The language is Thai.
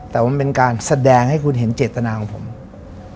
แต่ว่ามันเป็นการแสดงให้คุณเห็นเจตนาของผม